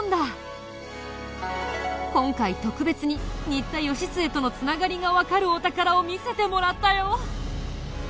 今回特別に新田義季との繋がりがわかるお宝を見せてもらったよ。